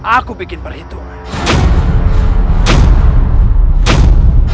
aku bikin perhitungan